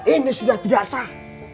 ini sudah tidak sah